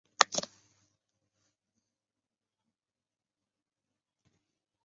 单穗桤叶树为桤叶树科桤叶树属下的一个种。